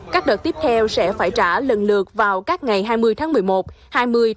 các đợt tiếp theo sẽ phải trả lần lượt vào các phụ huynh học sinh